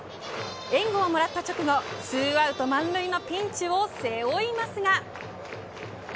援護をもらった直後２アウト満塁のピンチを背負いますが。